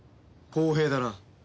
公平だな。